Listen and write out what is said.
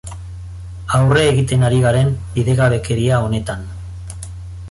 Aurre egiten ari garen bidegabekeria honetan.